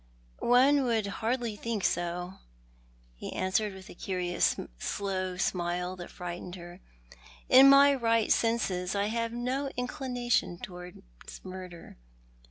" One would hardly think so," he answered, with a curious slow smile that frightened her. " In my right senses I have no inclination towards murder.